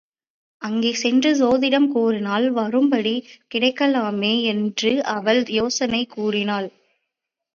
அங்கே சென்று சோதிடம் கூறினால், வரும்படி கிடைக்கலாமே என்று அவள் யோசனை கூறினாள்.